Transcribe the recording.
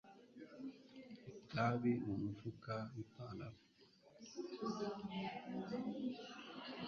itabi mu mufuka wipantaro